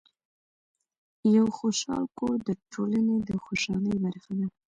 یو خوشحال کور د ټولنې د خوشحالۍ برخه ده.